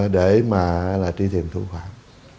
để mà trí tiền thu khoản